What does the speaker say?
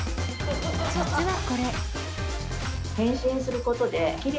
実はこれ。